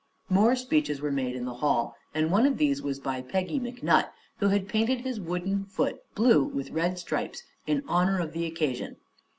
More speeches were made in the hall, and one of these was by Peggy McNutt, who had painted his wooden foot blue with red stripes in honor of the occasion.